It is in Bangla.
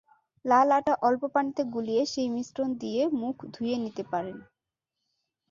লাল আটা অল্প পানিতে গুলিয়ে সেই মিশ্রণ দিয়ে মুখ ধুয়ে নিতে পারেন।